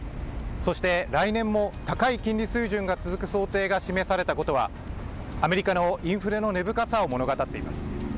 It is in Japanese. そして来年も高い金利水準が続く想定が示されたことは、アメリカのインフレの根深さを物語っています。